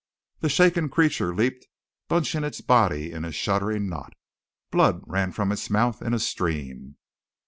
The shaken creature leaped, bunching its body in a shuddering knot. Blood ran from its mouth in a stream.